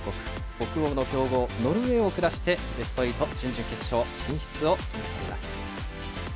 北欧の強豪、ノルウェーを下してベスト８準々決勝進出を決めています。